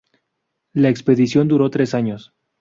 La expedición duró tres años.